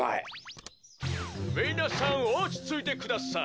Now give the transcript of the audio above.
「みなさんおちついてください。